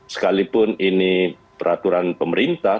sekalipun ini peraturan pemerintah